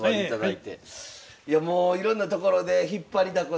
いやもういろんなところで引っ張りだこだとは思うんですが。